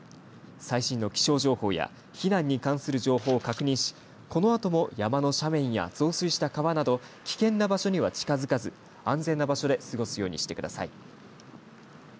最新の気象情報や避難に関する情報を確認しこのあとも山の斜面や増水した川など危険な場所には近づかず安全な場所で過ごすようにしてください。